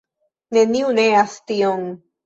Neniu neas tion.